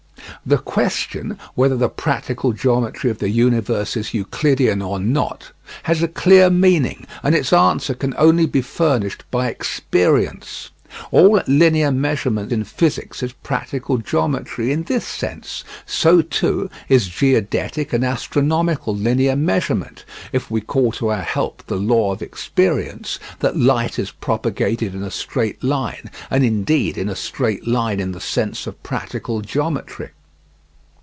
The question whether the practical geometry of the universe is Euclidean or not has a clear meaning, and its answer can only be furnished by experience. All linear measurement in physics is practical geometry in this sense, so too is geodetic and astronomical linear measurement, if we call to our help the law of experience that light is propagated in a straight line, and indeed in a straight line in the sense of practical geometry.